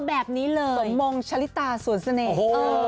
สมมุงชะลิตาสวนเสน่ห์